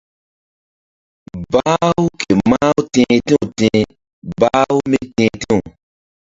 Bah-u ke mah-u ti̧h ti̧w ti̧h bah-u míti̧h ti̧w.